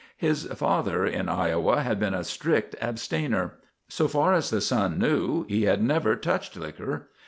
His father in Iowa had been a strict abstainer. So far as the son knew, he had never touched liquor.